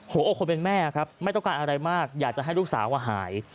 หัวอกคนเป็นแม่ครับไม่ต้องการอะไรมากอยากจะให้ลูกสาวหาย